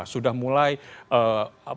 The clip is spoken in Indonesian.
sudah mulai berbicara